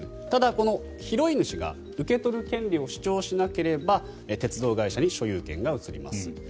ただ、拾い主が受け取る権利を主張しなければ鉄道会社に所有権が移ります。